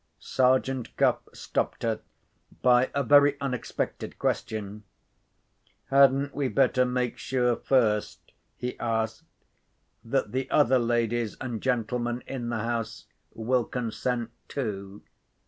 Sergeant Cuff stopped her by a very unexpected question. "Hadn't we better make sure first," he asked, "that the other ladies and gentlemen in the house will consent, too?"